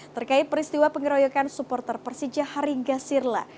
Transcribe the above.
terkait peristiwa pengeroyokan supporter persija haringga sirla